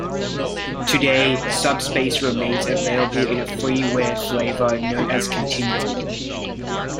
Today, Subspace remains available in a freeware flavor known as Continuum.